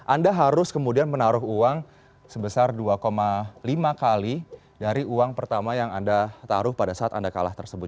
anda harus kemudian menaruh uang sebesar dua lima kali dari uang pertama yang anda taruh pada saat anda kalah tersebut